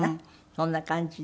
そんな感じで。